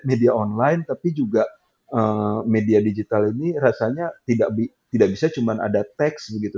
media online tapi juga media digital ini rasanya tidak bisa cuma ada teks begitu